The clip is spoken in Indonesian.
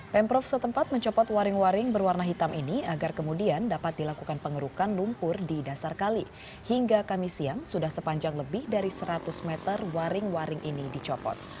pemprov setempat mencopot waring waring berwarna hitam ini agar kemudian dapat dilakukan pengerukan lumpur di dasar kali hingga kami siang sudah sepanjang lebih dari seratus meter waring waring ini dicopot